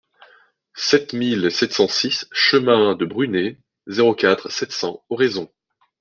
sept mille sept cent six chemin de Brunet, zéro quatre, sept cents, Oraison